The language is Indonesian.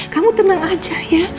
kamu tenang aja ya